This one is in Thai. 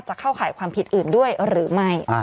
เข้าข่ายความผิดอื่นด้วยหรือไม่